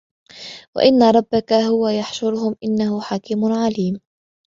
وإن ربك هو يحشرهم إنه حكيم عليم